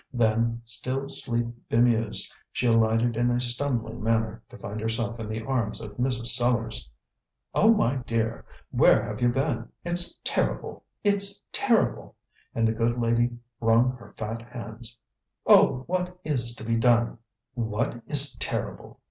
Then, still sleep bemused, she alighted in a stumbling manner to find herself in the arms of Mrs. Sellars. "Oh, my dear! where have you been? It's terrible; it's terrible!" and the good lady wrung her fat hands. "Oh, what is to be done?" "What is terrible?"